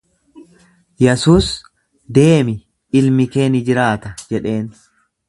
Yesuus, Deemi, ilmi kee ni jiraata jedheen.